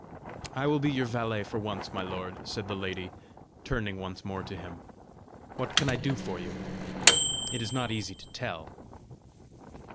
"I will be your valet for once, my lord," said the lady, turning once more to him. " What can I do for you? It is not easy to tell!"